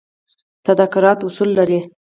تدارکات اصول لري